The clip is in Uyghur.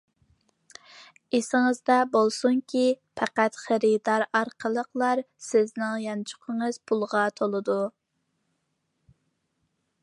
ئېسىڭىزدە بولسۇنكى، پەقەت خېرىدار ئارقىلىقلار سىزنىڭ يانچۇقىڭىز پۇلغا تولىدۇ.